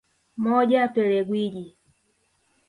Moja Pele Gwiji